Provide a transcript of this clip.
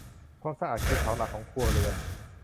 ความสะอาดคือเสาหลักของครัวเรือน